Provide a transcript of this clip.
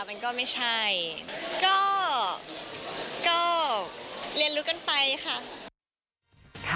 มันก็ไม่ใช่ก็เรียนรู้กันไปค่ะ